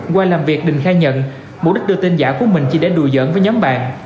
qua làm việc đình khai nhận mục đích đưa tin giả của mình chỉ để đùa dẫn với nhóm bạn